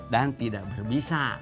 dan tidak berbisa